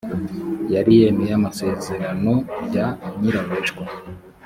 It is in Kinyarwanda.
yari yemeye amasezerano bya nyirarureshwa